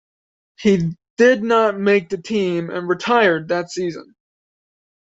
He did not make the team and retired that season.